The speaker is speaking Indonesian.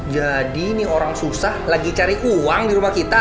jadi nih orang susah lagi cari uang di rumah kita